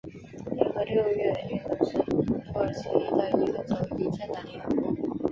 联合六月运动是土耳其的一个左翼政党联盟。